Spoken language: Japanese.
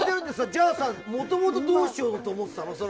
じゃあさ、もともとどうしようと思ってたの？